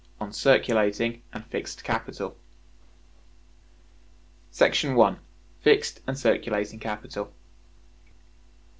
On Circulating And Fixed Capital. § 1. Fixed and Circulating Capital.